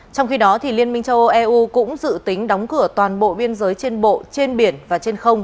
trong khi đó liên minh châu âu eu cũng dự tính đóng cửa toàn bộ biên giới trên bộ trên biển và trên không